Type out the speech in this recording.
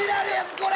これ！